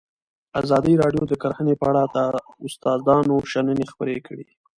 ازادي راډیو د کرهنه په اړه د استادانو شننې خپرې کړي.